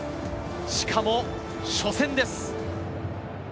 しかも初戦です。